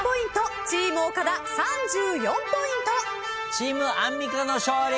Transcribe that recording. チームアンミカの勝利！